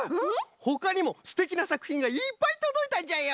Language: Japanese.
ほかにもすてきなさくひんがいっぱいとどいたんじゃよ！